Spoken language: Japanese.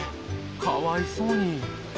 かわいそうに。